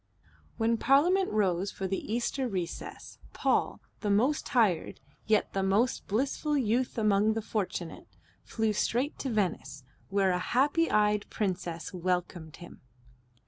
When Parliament rose for the Easter recess Paul, the most tired, yet the most blissful, youth among the Fortunate, flew straight to Venice, where a happy eyed princess welcomed him.